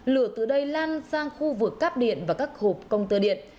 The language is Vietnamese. lửa từ đây lan sang khu vực cắp điện và các hộp công tơ điện